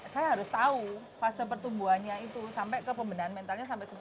saya harus tahu fase pertumbuhannya itu sampai ke pembenahan mentalnya sampai sepuluh